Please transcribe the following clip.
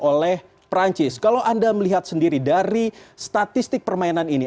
oleh perancis kalau anda melihat sendiri dari statistik permainan ini